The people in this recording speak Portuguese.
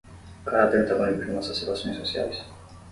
o caráter antagônico de nossas relações sociais